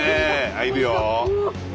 入るよ。